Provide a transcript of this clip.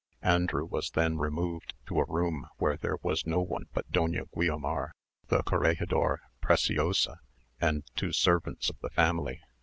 Andrew was then removed to a room where there was no one but Doña Guiomar, the corregidor, Preciosa, and two servants of the family.